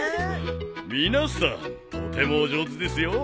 皆さんとてもお上手ですよ。